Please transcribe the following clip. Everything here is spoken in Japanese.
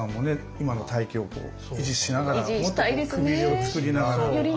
今の体形を維持しながらもっとくびれをつくりながらやれればね。